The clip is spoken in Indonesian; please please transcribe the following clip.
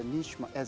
musim yang terbaik